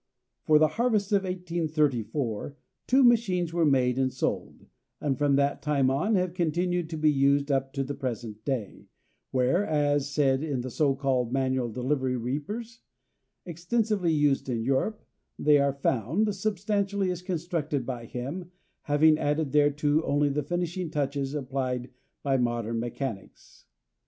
For the harvest of 1834 two machines were made and sold, and from that time on have continued to be used up to the present day, where, as said in the so called manual delivery reapers extensively used in Europe, they are found, substantially as constructed by him, having added thereto only the finishing touches applied by modern mechanics.